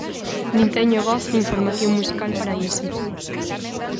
Nin teño voz nin formación musical para iso.